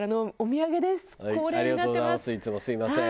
いつもすみません。